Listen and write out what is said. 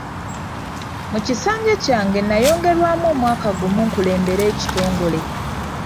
Mu kisanja kyange nayongerwamu omwaka gumu nkulembere ekitongole.